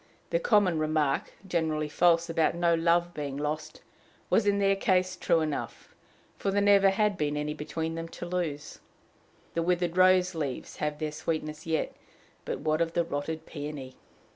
The common remark, generally false, about no love being lost, was in their case true enough, for there never had been any between them to lose. The withered rose leaves have their sweetness yet, but what of the rotted peony?